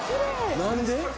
何で？